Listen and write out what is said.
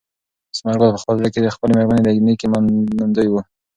ثمر ګل په خپل زړه کې د خپلې مېرمنې د نېکۍ منندوی و.